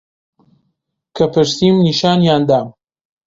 کە پرسیم نیشانیان دام